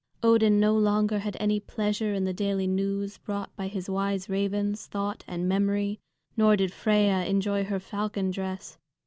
Odin no longer had any pleasure in the daily news brought by his wise ravens, Thought and Memory, nor did Freia enjoy her falcon dress.